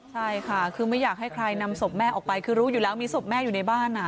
ใช่ค่ะคือไม่อยากให้ใครนำศพแม่ออกไปคือรู้อยู่แล้วมีศพแม่อยู่ในบ้าน